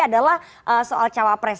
adalah soal cawapres